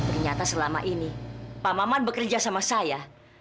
ternyata selama ini pak maman bekerja sama saya